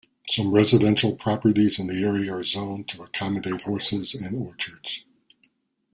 Some residential properties in the area are zoned to accommodate horses and orchards.